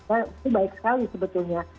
itu baik sekali sebetulnya